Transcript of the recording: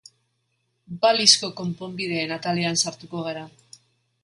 Balizko konponbideen atalean sartuko gara.